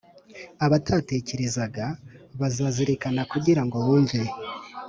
Abatatekerezaga, bazazirikana kugira ngo bumve,